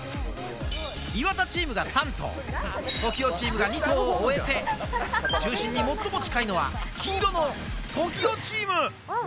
岩田チームが３投、ＴＯＫＩＯチームが２投を終えて、中心に最も近いのは、黄色のＴＯＫＩＯチーム。